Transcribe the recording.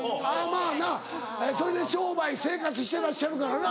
まぁなそれで商売生活してらっしゃるからな。